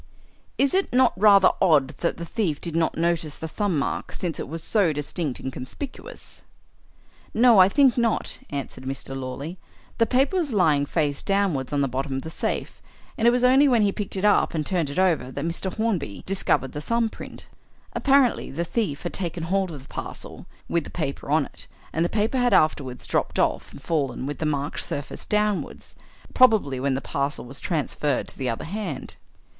"Is it not rather odd that the thief did not notice the thumb mark, since it was so distinct and conspicuous?" "No, I think not," answered Mr. Lawley. "The paper was lying face downwards on the bottom of the safe, and it was only when he picked it up and turned it over that Mr. Hornby discovered the thumb print. Apparently the thief had taken hold of the parcel, with the paper on it, and the paper had afterwards dropped off and fallen with the marked surface downwards probably when the parcel was transferred to the other hand."